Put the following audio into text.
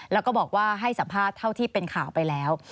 แล้วก็บอกว่าให้สัมภาษณ์เท่าที่เป็นข่าวไปแล้ว